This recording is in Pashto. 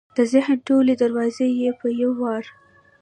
د ذهن ټولې دروازې یې په یو وار